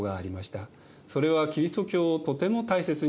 それはキリスト教をとても大切にしたということです。